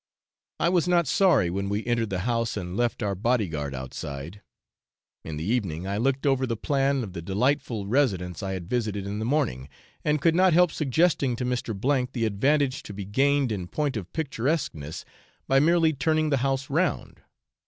I was not sorry when we entered the house and left our bodyguard outside. In the evening I looked over the plan of the delightful residence I had visited in the morning, and could not help suggesting to Mr. the advantage to be gained in point of picturesqueness by merely turning the house round.